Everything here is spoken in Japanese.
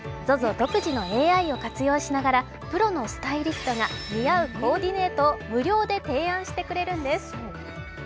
独自のＡＩを活用しながらプロのスタイリストが似合うコーディネートを無料で提案してくれるんです。